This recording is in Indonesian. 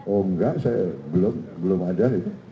oh enggak saya belum ada